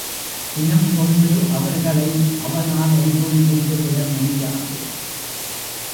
சினம் கொண்டு அவர்களை அவனால் ஒன்றும் செய்துவிட முடியாது.